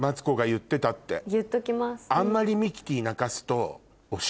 言っときます。